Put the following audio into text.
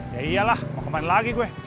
ya iyalah mau kemana lagi gue